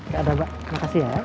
gak ada mbak terima kasih ya